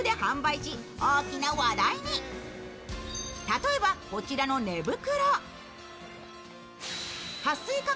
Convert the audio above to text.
例えばこちらの寝袋。